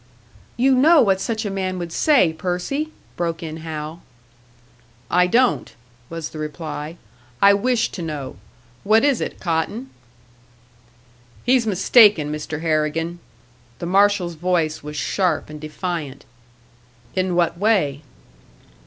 "You know what such a man would say, Percy!" broke in Hal. "I don't," was the reply. "I wish to know. What is it, Cotton?" "He's mistaken, Mr. Harrigan." The marshal's voice was sharp and defiant. "In what way?"